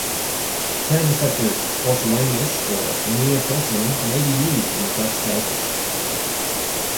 Terms such as "porcellaneous" or "near-porcelain" may be used in such cases.